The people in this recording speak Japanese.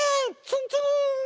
ツンツーン！